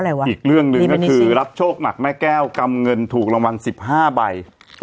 อีกเรื่องหนึ่งก็คือรับโชคหนักแม่แก้วกำเงินถูกรางวัล๑๕ใบ